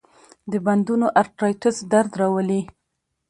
د بندونو ارترایټس درد راولي.